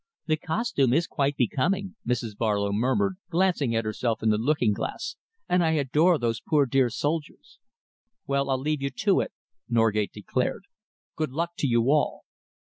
"The costume is quite becoming," Mrs. Barlow murmured, glancing at herself in the looking glass, "and I adore those poor dear soldiers." "Well, I'll leave you to it," Norgate declared. "Good luck to you all!"